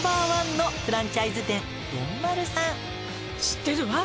「知ってるわ。